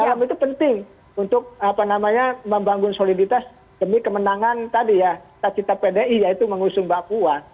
dalam itu penting untuk membangun soliditas demi kemenangan tadi ya cita cita pdi yaitu mengusung mbak puan